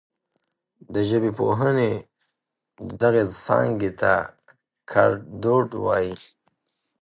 د ژبپوهنې دغې څانګې ته ګړدود وايي.